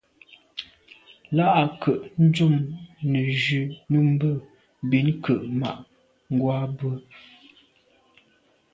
Là à ke’ dùm nejù nummbe bin ke’ ma’ ngwa bwe.